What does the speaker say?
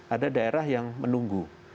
ada daerah yang menunggu